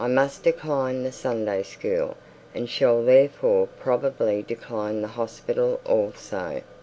I must decline the Sunday school, and shall therefore probably decline the hospital also.